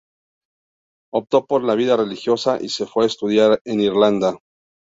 Optó por la vida religiosa, y se fue a estudiar en Irlanda.